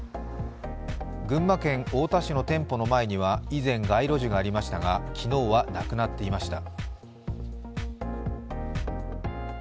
群馬県太田市の店舗の前には、以前、街路樹がありましたが昨日はなくなっていました。